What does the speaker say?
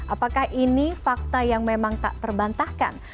apakah ini fakta yang memang tak terbantahkan